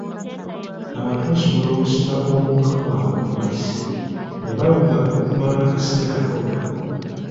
Abantu basobola okusiba omukka gwabwe mu mazzi ne bawuga okumala akaseera akawerako.